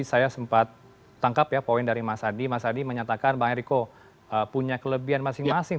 saya sempat tangkap ya poin dari mas adi mas adi menyatakan bang eriko punya kelebihan masing masing